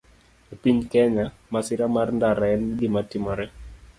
E piny Kenya, masira mar ndara en gima timore